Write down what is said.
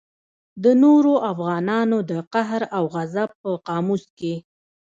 د نورو افغانانو د قهر او غضب په قاموس کې.